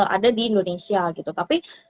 ada di indonesia gitu tapi